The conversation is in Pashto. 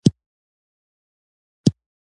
هغه په چوکۍ کېناست او پښې یې مېز ته پورته کړې